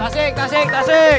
tasik tasik tasik